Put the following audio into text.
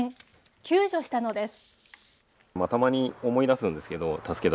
救助したのです。